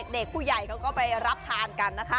เด็กผู้ใหญ่มารับทานกันนะคะ